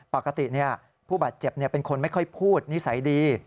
ปกติผู้บาดเจ็บเป็นคนไม่ค่อยพูดนิสัยดี